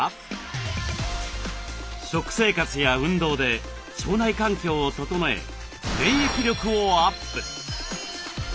食生活や運動で腸内環境を整え免疫力をアップ。